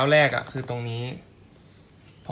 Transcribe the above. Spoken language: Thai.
กลับมาร้อยเท้า